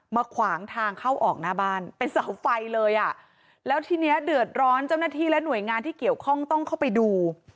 ขวางทางเข้าออกหน้าบ้านเป็นเสาไฟเลยอ่ะแล้วทีเนี้ยเดือดร้อนเจ้าหน้าที่และหน่วยงานที่เกี่ยวข้องต้องเข้าไปดู